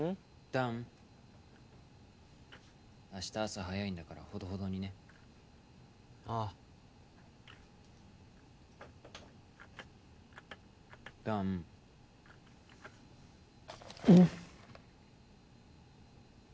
弾明日朝早いんだからほどほどにねああ弾うん？